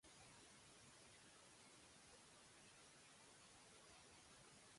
Anacheza katika nafasi ya mshambuliaji na anatumia mguu wa kushoto.